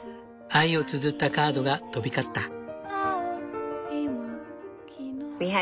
愛をつづったカードが飛び交った。